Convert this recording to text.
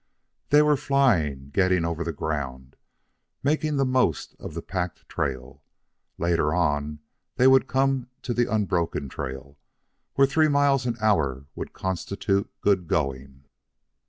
They were flying, getting over the ground, making the most of the packed trail. Later on they would come to the unbroken trail, where three miles an hour would constitute good going.